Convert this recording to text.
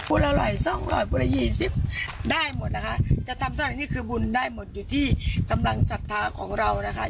อร่อยสองอร่อยผู้ละยี่สิบได้หมดนะคะจะทำเท่าไหร่นี่คือบุญได้หมดอยู่ที่กำลังศรัทธาของเรานะคะ